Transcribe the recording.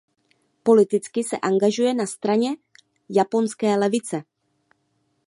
Politicky se angažuje na straně japonské levice.